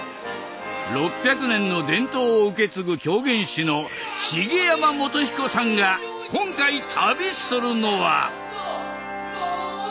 ６００年の伝統を受け継ぐ狂言師の茂山宗彦さんが今回旅するのは。